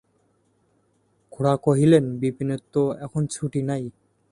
খুড়া কহিলেন, বিপিনের তো এখন ছুটি নাই।